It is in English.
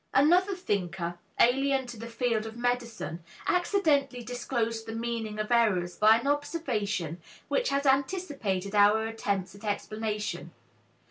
Another thinker, alien to the field of medicine, accidentally disclosed the meaning of errors by an observation which has anticipated our attempts at explanation.